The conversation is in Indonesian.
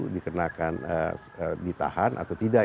ditahan atau tidak